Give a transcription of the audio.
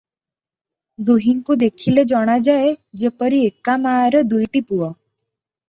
ଦୁହିଁଙ୍କୁ ଦେଖିଲେ ଜଣାଯାଏ ଯେପରି ଏକା ମାଆର ଦୁଇଟି ପୁଅ ।